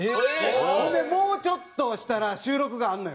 ほんでもうちょっとしたら収録があるのよ。